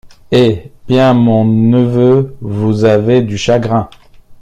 Hé! bien, mon neveu, vous avez du chagrin.